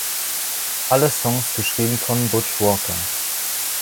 Alle Songs geschrieben von Butch Walker.